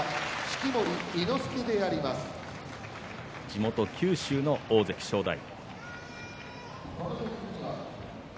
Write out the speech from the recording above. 地元九州の大関正代。